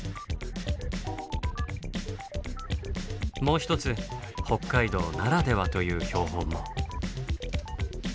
もう一つ北海道ならではという標本も。